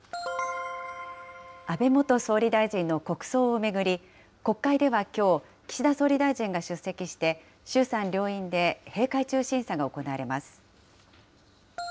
安倍元総理大臣の国葬を巡り、国会ではきょう、岸田総理大臣が出席して、衆参両院で、閉会中審査が行われます。